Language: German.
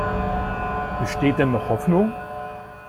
Besteht denn noch Hoffnung?